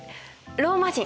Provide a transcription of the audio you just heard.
ローマ人？